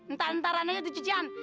ntar antarannya itu cucian